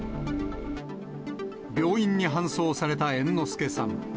病院に搬送された猿之助さん。